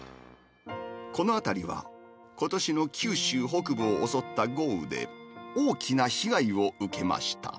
この辺りは、ことしの九州北部を襲った豪雨で、大きな被害を受けました。